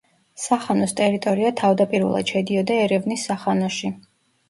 სახანოს ტერიტორია თავდაპირველად შედიოდა ერევნის სახანოში.